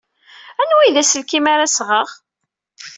Anwa ay d aselkim ara d-sɣeɣ?